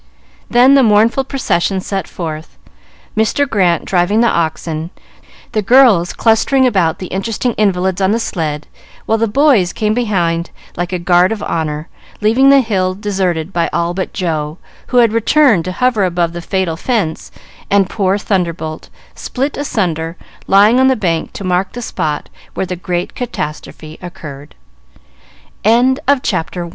Then the mournful procession set forth, Mr. Grant driving the oxen, the girls clustering about the interesting invalids on the sled, while the boys came behind like a guard of honor, leaving the hill deserted by all but Joe, who had returned to hover about the fatal fence, and poor "Thunderbolt," split asunder, lying on the bank to mark the spot where the great catastrophe occurred. Chapter II. Two Pen